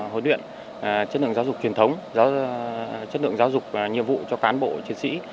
hối luyện chất lượng giáo dục truyền thống chất lượng giáo dục nhiệm vụ cho cán bộ chiến sĩ